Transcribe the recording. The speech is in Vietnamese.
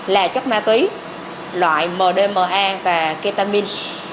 là chất ma túy loại mdma và ketamin